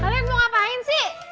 kalian mau ngapain sih